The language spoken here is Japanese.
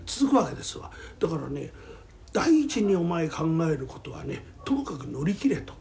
だからね第一にお前考えることはねともかく乗り切れと。